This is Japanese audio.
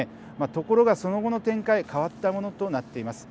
ところが、その後の展開変わったものとなっています。